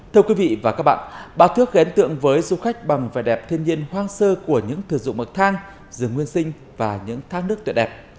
thưa quý vị và các bạn bà thước ghen tượng với du khách bằng vẻ đẹp thiên nhiên hoang sơ của những thực dụng mực thang rừng nguyên sinh và những thang nước tuyệt đẹp